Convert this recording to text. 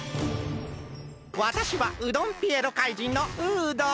わたしはうどんピエロ怪人のウードン！